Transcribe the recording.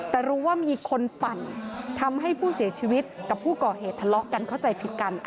แต่รู้ว่ามีคนปั่นทำให้ผู้เสียชีวิตกับผู้ก่อเหตุทะเลาะกันเข้าใจผิดกัน